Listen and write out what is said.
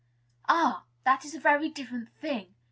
"Ah! that is a very different thing.